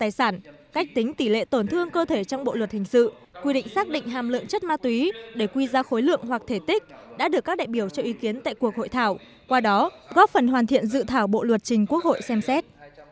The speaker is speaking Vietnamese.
đối với phạm vi chịu trách nhiệm hình sự quy định xác định hàm lượng chất ma túy để quy ra khối lượng hoặc thể tích đã được các đại biểu cho ý kiến tại cuộc hội thảo qua đó góp phần hoàn thiện dự thảo bộ luật trình quốc hội xem xét